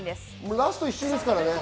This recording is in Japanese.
ラスト１周ですからね。